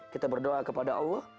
kita berdoa kepada allah